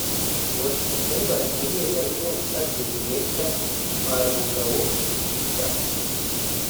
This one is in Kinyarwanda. Mu basirikare bashyinguwe harimo Sgt Major Ntwarabugabo Peter